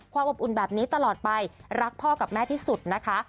อบอุ่นแบบนี้ตลอดไปรักพ่อกับแม่ที่สุดนะคะ